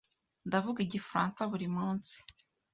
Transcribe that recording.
Ndavuga Igifaransa buri munsi.